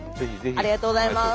ありがとうございます！